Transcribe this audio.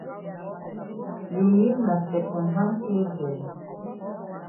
You mean na second hand closs dem.